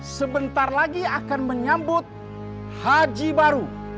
sebentar lagi akan menyambut haji baru